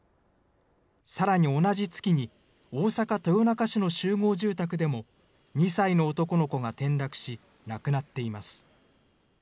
さらに同じ月に、大阪・豊中市の集合住宅でも２歳の男の子が転落し、亡くなっています。